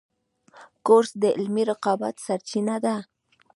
کورس د علمي رقابت سرچینه ده.